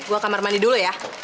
gue kamar mandi dulu ya